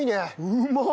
うまっ！